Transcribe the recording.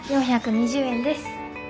４２０円です。